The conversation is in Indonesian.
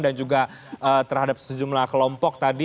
dan juga terhadap sejumlah kelompok tadi